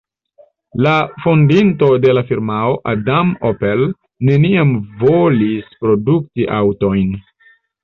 La fondinto de la firmao, Adam Opel, neniam volis produkti aŭtojn.